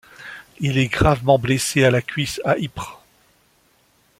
Il est gravement blessé à la cuisse à Ypres.